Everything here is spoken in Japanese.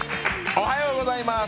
おはようございます。